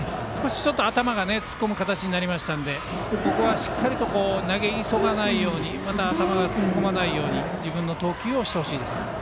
ちょっと頭が突っ込む形になったのでここはしっかりと投げ急がないようにまた頭が突っ込まないように自分の投球をしてほしいです。